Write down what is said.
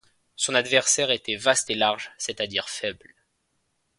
Son adversaire était vaste et large, c’est-à-dire faible.